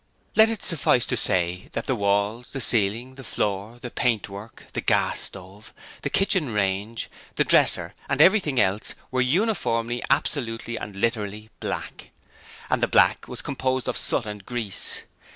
Let it suffice to say that the walls, the ceiling, the floor, the paintwork, the gas stove, the kitchen range, the dresser and everything else were uniformly absolutely and literally black. And the black was composed of soot and grease.